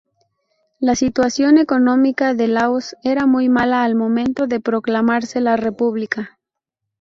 La situación económica de Laos era muy mala al momento de proclamarse la república.